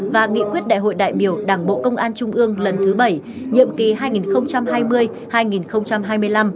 và nghị quyết đại hội đại biểu đảng bộ công an trung ương lần thứ bảy nhiệm kỳ hai nghìn hai mươi hai nghìn hai mươi năm